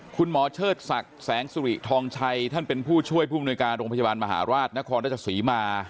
คุณหมอเชิดศักดิ์แสงสุริทองชัยท่านเป็นผู้ช่วยผู้มนุยการโรงพยาบาลมหาราชนครราชศรีมา